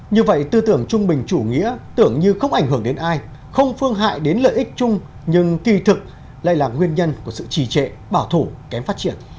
như vậy tư tưởng trung bình chủ nghĩa tưởng như không ảnh hưởng đến ai không phương hại đến lợi ích chung nhưng thi thực lại là nguyên nhân của sự trì trệ bảo thủ kém phát triển